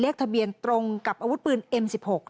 แล้วก็เชิญตัวนายสุพัฒน์ไปที่สพเขาชัยสนสืบสวนสอบสวนขยายผลต่อ